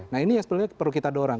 nah ini sebenarnya perlu kita dorang